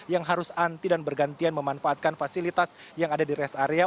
yang harus anti dan bergantian memanfaatkan fasilitas yang ada di rest area